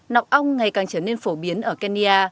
nọc ong ngày càng trở nên phổ biến ở kenya